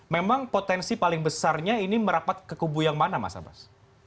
memang potensi paling besarnya ini merapat ke kubu yang mana mas abbas